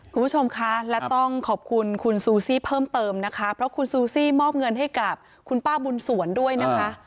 คุณผู้ชมคะและต้องขอบคุณคุณซูซี่เพิ่มเติมนะคะเพราะคุณซูซี่มอบเงินให้กับคุณป้าบุญสวนด้วยนะคะ